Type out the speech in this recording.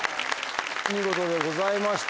見事でございました。